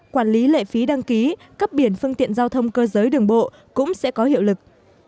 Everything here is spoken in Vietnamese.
quản lý lệ phí đăng ký cấp biển phương tiện giao thông cơ giới đường bộ cũng sẽ có hiệu lực